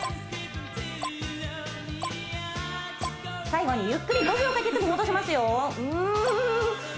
最後にゆっくり５秒かけて戻しますよ